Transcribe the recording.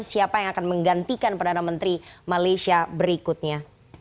siapa yang akan menggantikan perdana menteri malaysia berikutnya